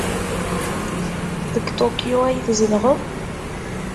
Deg Tokyo ay tzedɣeḍ?